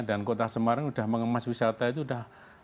dan kota semarang sudah mengemas wisata itu sudah